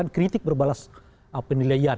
kritik berbalas penilaian